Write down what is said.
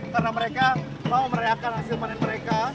karena mereka mau mereakan hasil manin mereka